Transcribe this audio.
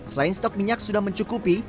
selain stok minyak sudah mencukupi